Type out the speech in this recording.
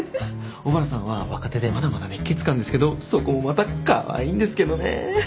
小原さんは若手でまだまだ熱血漢ですけどそこもまたかわいいんですけどね。